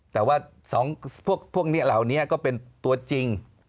แต่ว่าสองเขาหลัวนี้ก็เป็นตัวจริง